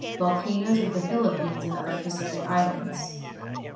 Volcanoes of the Philippines and Other Pacific Islands.